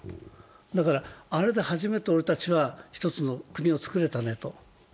あれで初めて俺たちは１つの国が作れたねと。